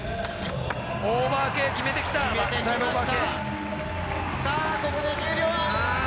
オーバーＫ決めてきた、あ！